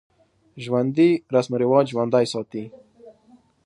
ژوندي رسم و رواج ژوندی ساتي